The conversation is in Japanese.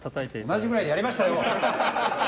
同じぐらいでやりましたよ！